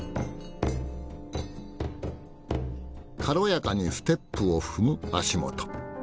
軽やかにステップを踏む足元。